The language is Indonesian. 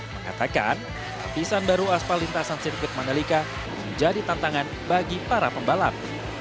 mengatakan lapisan baru aspal lintasan sirkuit mandalika menjadi tantangan bagi para pembalap